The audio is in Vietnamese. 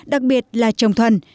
đặc biệt là trồng thuần